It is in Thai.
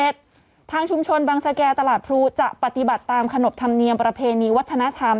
ทางชุมชนบังสแก่ตลาดพลูจะปฏิบัติตามขนบธรรมเนียมประเพณีวัฒนธรรม